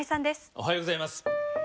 おはようございます。